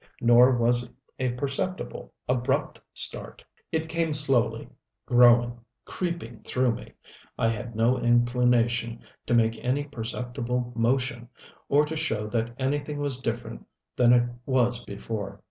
Nor was it a perceptible, abrupt start. It came slowly, growing, creeping through me. I had no inclination to make any perceptible motion, or to show that anything was different than it was before.